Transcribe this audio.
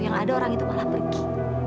yang ada orang itu malah pergi